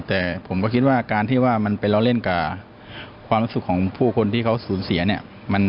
แต่ผมก็คิดว่าการที่ว่ามันเป็นเราเล่นกับความรู้สึกของผู้คนที่เขาสูญเสียเนี่ย